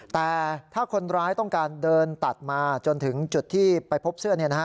แต่ถ้าคนร้ายต้องการเดินตัดมาจนถึงจุดที่ไปพบเสื้อ